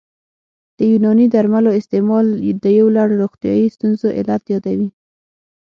د یوناني درملو استعمال د یو لړ روغتیايي ستونزو علت یادوي